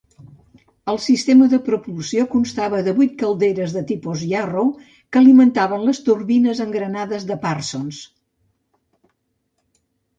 El sistema de propulsió constava de vuit calderes de tipus Yarrow, que alimentaven les turbines engranades de Parsons.